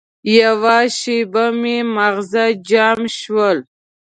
یوه شېبه مې ماغزه جام شول.